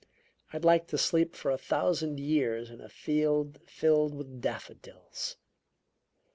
I'd like to sleep for a thousand years in a field filled with daffodils."